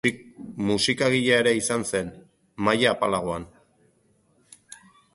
Musikagile ere izan zen, maila apalagoan.